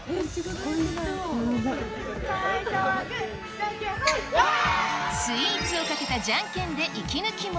最初はグー、スイーツを賭けたじゃんけんで息抜きも。